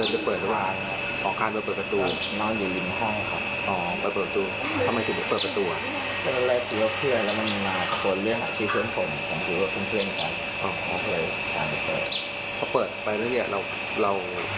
เราไม่จำ